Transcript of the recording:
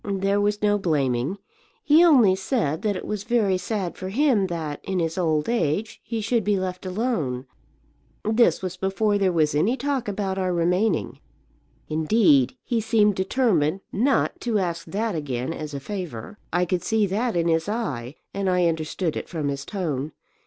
"There was no blaming. He only said that it was very sad for him that, in his old age, he should be left alone. This was before there was any talk about our remaining. Indeed he seemed determined not to ask that again as a favour. I could see that in his eye, and I understood it from his tone.